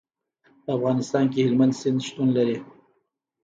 په افغانستان کې هلمند سیند شتون لري.